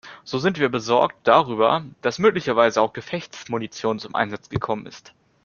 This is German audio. So sind wir sind besorgt darüber, dass möglicherweise auch Gefechtsmunition zum Einsatz gekommen ist.